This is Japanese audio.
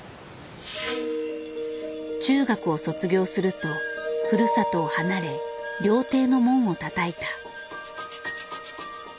中学を卒業するとふるさとを離れ料亭の門をたたいた。